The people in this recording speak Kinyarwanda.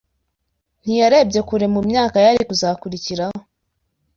Ntiyarebye kure mu myaka yari kuzakurikiraho